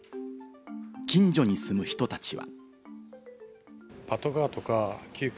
近所に住む人たちは。